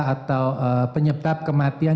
atau penyebab kematian